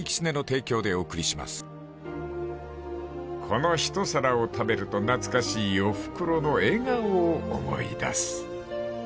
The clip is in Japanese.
［この一皿を食べると懐かしいおふくろの笑顔を思い出す］